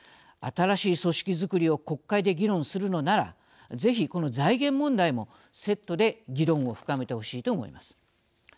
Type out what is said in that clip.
新しい組織作りを国会で議論するのならぜひ財源問題もセットで議論を深めてほしいと思います。